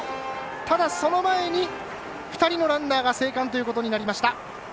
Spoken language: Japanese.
ただ、その前に２人のランナーが生還ということになりました。